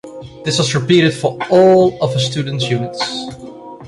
This was repeated for all of a student's units.